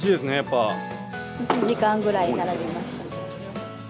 １時間ぐらい並びました。